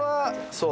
そう。